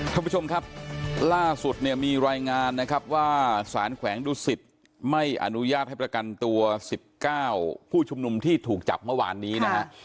ท่านผู้ชมครับล่าสุดเนี่ยมีรายงานนะครับว่าสารแขวงดุสิตไม่อนุญาตให้ประกันตัว๑๙ผู้ชุมนุมที่ถูกจับเมื่อวานนี้นะฮะ